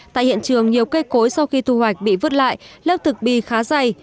tại hiện trường nhiều cây cối sau khi thu hoạch bị vứt lại lớp thực bì khá dày